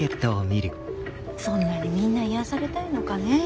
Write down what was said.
そんなにみんな癒やされたいのかねえ。